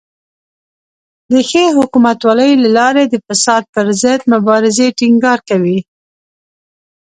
د ښې حکومتولۍ له لارې د فساد پر ضد مبارزې ټینګار کوي.